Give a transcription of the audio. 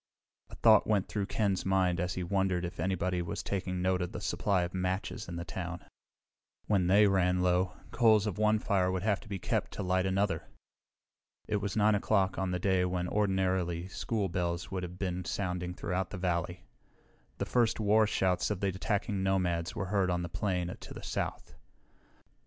A thought went through Ken's mind and he wondered if anybody was taking note of the supply of matches in town. When they ran low, coals of one fire would have to be kept to light another. It was 9 o'clock, on a day when ordinarily school bells would have been sounding throughout the valley. The first war shouts of the attacking nomads were heard on the plain to the south.